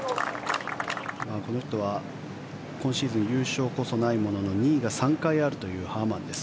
この人は今シーズン、優勝こそないものの２位が３回あるというハーマンです。